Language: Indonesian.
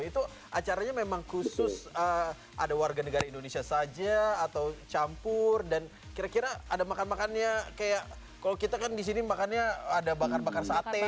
itu acaranya memang khusus ada warga negara indonesia saja atau campur dan kira kira ada makan makannya kayak kalau kita kan di sini makannya ada bakar bakar sate